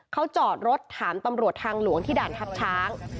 เขาจอดรถถามตำรวจทางหลวงที่ด่านทัพช้าง